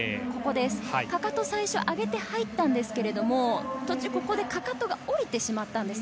かかと最初上げて入ったのですけれども、途中でかかとが下りてしまったんです。